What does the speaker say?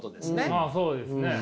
まあそうですね。